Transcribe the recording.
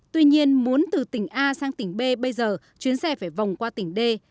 tuy nhiên muốn từ tỉnh a sang tỉnh b bây giờ chuyến xe phải vòng qua tỉnh d